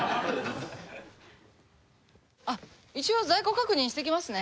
あっ一応在庫確認してきますね。